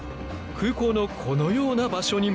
空港のこのような場所にも。